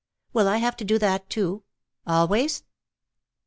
Will I have to do that too? Always?"